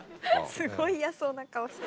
すごい嫌そうな顔してる。